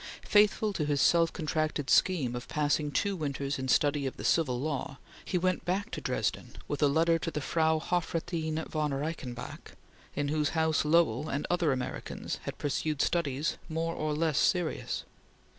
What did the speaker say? Faithful to his self contracted scheme of passing two winters in study of the Civil Law, he went back to Dresden with a letter to the Frau Hofrathin von Reichenbach, in whose house Lowell and other Americans had pursued studies more or less serious.